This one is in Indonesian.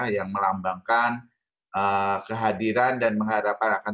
yang melambangkan kehadiran dan mengharapkan akan